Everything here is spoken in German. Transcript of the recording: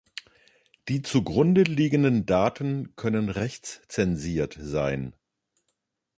Die zu Grunde liegenden Daten können rechts-zensiert sein.